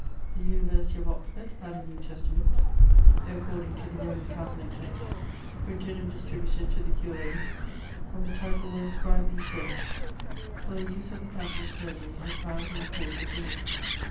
The University of Oxford had a New Testament, according to the Roman Catholic text, printed and distri buted to the cures : on the title were inscribed these words : ''For the use of the Catholic clergy exiled in the cause of religion."